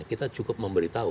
kita cukup memberitahu